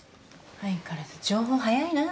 相変わらず情報早いな。